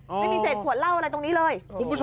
ไม่มีเสร็จขวดเหล้าอะไรตรงนี้เลย